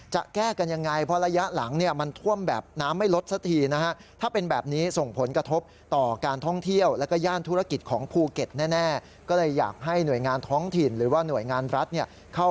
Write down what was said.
จะแก้กันยังไง